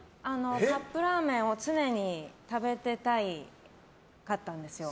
カップラーメンを常に食べてたかったんですよ。